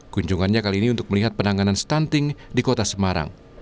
kunjungannya kali ini untuk melihat penanganan stunting di kota semarang